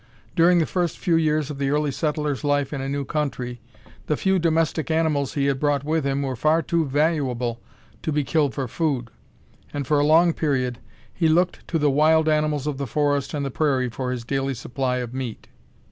During the first few years of the early settler's life in a new country, the few domestic animals he had brought with him were far too valuable to be killed for food, and for a long period he looked to the wild animals of the forest and the prairie for his daily supply of meat.